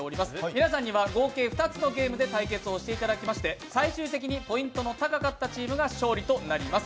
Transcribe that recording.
皆さんには合計２つのゲームで対決をしていただきまして最終的にポイントの高かったチームが勝利となります。